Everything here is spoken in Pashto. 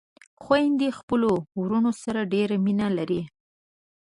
خويندې خپلو وروڼو سره ډېره مينه لري